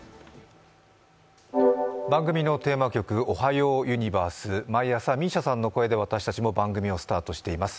番組のテーマ曲「おはようユニバース」、毎朝、ＭＩＳＩＡさんの声で番組をスタートしています。